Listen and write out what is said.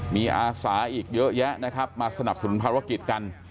มีอาสาอีกเยอะแยะนะครับมาสนับสนุนภารกิจกัน